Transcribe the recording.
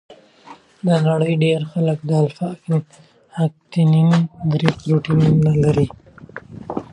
د نړۍ ډېر خلک د الفا اکتینین درې پروټین نه لري.